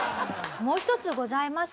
もう一つございます。